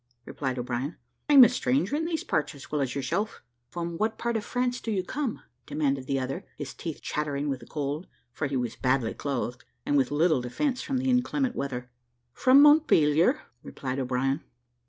replied O'Brien, "I am a stranger in these parts as well as yourself." "From what part of France do you come?" demanded the other, his teeth chattering with the cold, for he was badly clothed, and with little defence from the inclement weather. "From Montpelier," replied O'Brien.